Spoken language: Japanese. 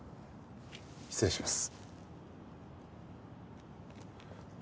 失礼します。